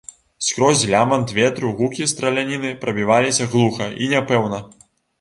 Скрозь лямант ветру гукі страляніны прабіваліся глуха і няпэўна.